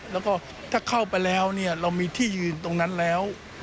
แล้วก็ถ้าเข้าไปแล้วเนี่ยเรามีที่ยืนตรงนั้นแล้ว